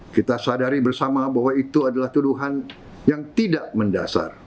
kita sadari bersama bahwa itu adalah tuduhan yang tidak mendasar